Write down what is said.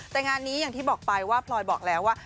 แต่งานนี้อย่างพลอยบอกไปแล้วว่า